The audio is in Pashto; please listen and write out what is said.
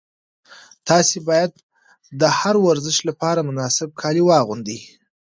تاسي باید د هر ورزش لپاره مناسب کالي واغوندئ.